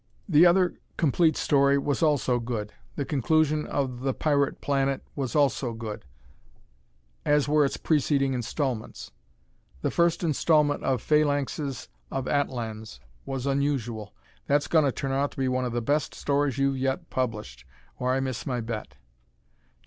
The other complete story was also good. The conclusion of the "The Pirate Planet" was also good, as were its preceding instalments. The first instalment of "Phalanxes of Atlans" was unusual. That's gonna turn out to be one of the best stories you've yet published, or I miss my bet.